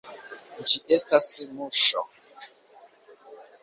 Ĝi estas muŝo.